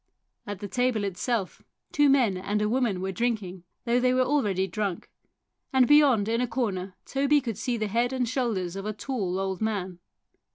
At the table itself two men and a woman were drinking, though they were already drunk, and beyond in a corner Toby could see the head and shoulders of a tall old man.